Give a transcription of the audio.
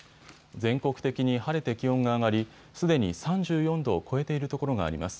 全国的に晴れて気温が上がりすでに３４度を超えているところがあります。